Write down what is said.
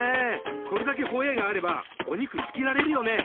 これだけホエーがあればお肉漬けられるよね。